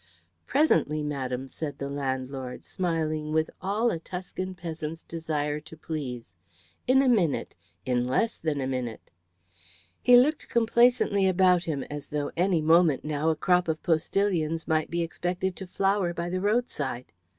"Presently, madam," said the landlord, smiling with all a Tuscan peasant's desire to please. "In a minute. In less than a minute." He looked complacently about him as though at any moment now a crop of postillions might be expected to flower by the roadside.